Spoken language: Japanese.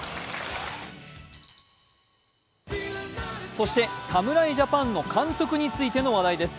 そして侍ジャパンの監督についての話題です。